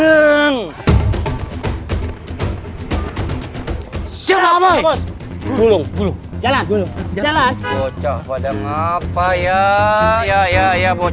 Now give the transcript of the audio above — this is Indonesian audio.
terimakasih nelfon motor kita nggak bisa menunggu lebih lama lagi ia pak iya ya tenang